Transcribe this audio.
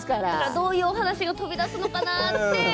どういう話が飛び出すのかなって